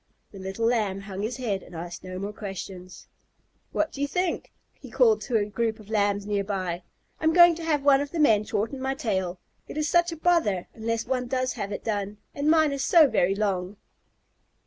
The little Lamb hung his head and asked no more questions. "What do you think?" he called to a group of Lambs near by. "I'm going to have one of the men shorten my tail. It is such a bother unless one does have it done, and mine is so very long!"